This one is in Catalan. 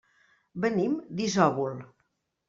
Venim d'Isòvol.